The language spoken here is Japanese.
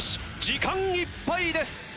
時間いっぱいです。